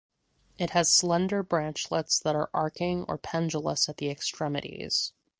It has slender branchlets that are arching or pendulous at the extremities.